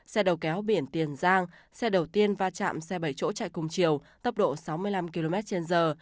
xe đầu kéo biển tiền giang xe đầu tiên va chạm xe bảy chỗ chạy cùng chiều tốc độ sáu mươi năm km trên giờ